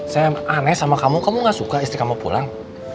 saya aneh sama kamu kamu gak suka istri kamu pulang